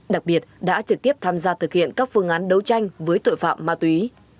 đặc biệt đã trực tiếp tham gia thực hiện các phương án đấu tranh với tội phạm ma túy